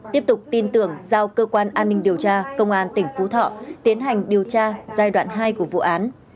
tiếp tục tin tưởng giao cơ quan an ninh điều tra công an tỉnh phú thọ tiến hành điều tra giai đoạn hai của vụ án